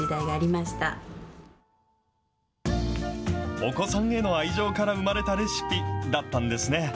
お子さんへの愛情から生まれたレシピだったんですね。